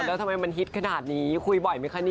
แล้วทำไมมันฮิตขนาดนี้คุยบ่อยไหมคะนี่